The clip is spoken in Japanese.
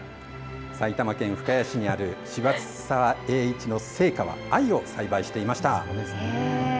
埼玉県深谷市にある渋沢栄一の生家、藍を栽培していました。